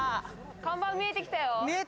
看板見えてきたよ。